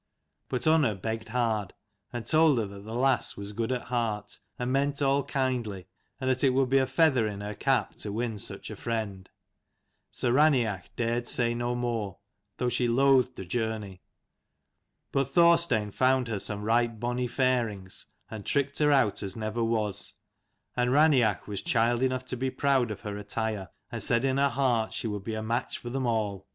But Unna begged hard, and told her that the lass was good at heart, and meant all kindly, and that it would be a feather in her cap to win such a friend. So Raineach dared say no more, though she loathed the journey. But Thorstein found her some right bonny fairings and tricked her out as never was : and Raineach was child enough to be proud of her attire, and said in her heart she would be a match for them all.